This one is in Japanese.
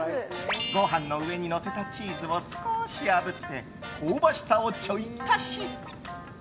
ご飯の上にのせたチーズを少しあぶって香ばしさをちょい足し！